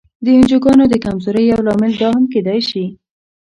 د انجوګانو د کمزورۍ یو لامل دا هم کېدای شي.